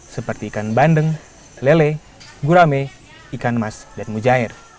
seperti ikan bandeng lele gurame ikan mas dan mujair